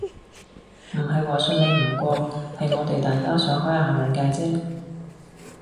唔係話信你唔過，係我哋大家想開吓眼界啫